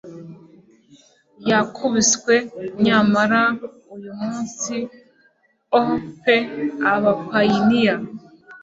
Yakubiswe nyamara uyu munsi - O pe Abapayiniya!